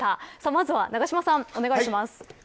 まずは永島さんお願いします。